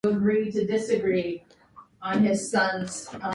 It is the municipality center of Debarca.